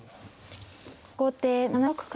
後手７六角。